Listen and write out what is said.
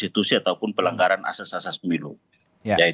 tentunya tahu apa yang harus dilakukan untuk yang lain dua